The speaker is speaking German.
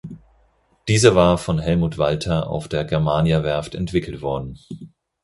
Dieser war von Hellmuth Walter auf der Germaniawerft entwickelt worden.